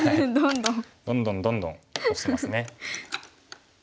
どんどんどんどんオシますね。